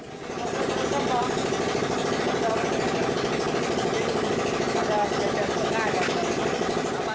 masih ada yang berkali kali